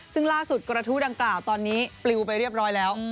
ซึ่งล่าสุดกระทู้ดังกล่าวตอนนี้ปลิวไปเรียบร้อยแล้ว